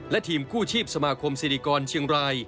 และทีมกู้ชีพสมาคมศิริกรเชียงราย